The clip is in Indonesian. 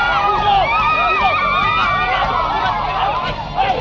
aku akan mencari